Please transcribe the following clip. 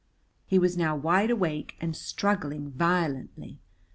He was now wide awake and struggling violently.